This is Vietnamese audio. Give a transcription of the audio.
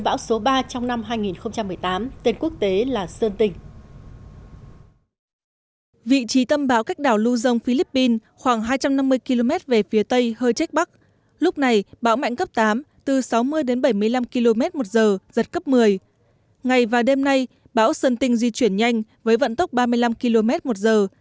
bão sơn tinh di chuyển nhanh với vận tốc ba mươi năm km một giờ